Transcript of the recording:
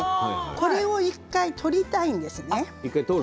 これを１回、取りたいんです。